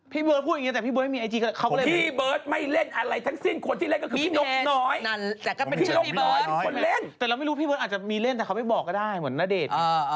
พี่เบิร์ดเล่นไอทรีย์หรอถ้าพี่เบิร์ดมีไอทรีย์มั้ย